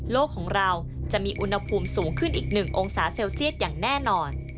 ของเราจะมีอุณหภูมิสูงขึ้นอีก๑องศาเซลเซียตอย่างแน่นอน